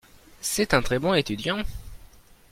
C'est un très bon étudiant.